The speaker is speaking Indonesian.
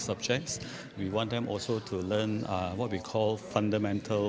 kami juga ingin mereka belajar keterangan fundamental